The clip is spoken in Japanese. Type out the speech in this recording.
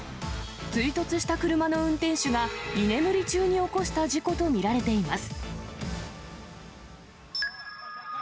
追突した車の運転手が居眠り中に起こした事故と見られています。